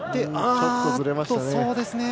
ちょっとずれましたね。